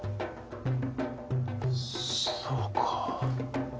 そうか。